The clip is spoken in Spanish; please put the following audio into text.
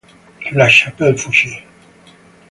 La Chapelle-Faucher